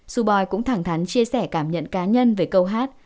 suboi cũng thẳng thắn chia sẻ cảm nhận cá nhân về câu hát